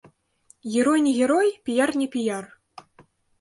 Герой не герой, піяр не піяр.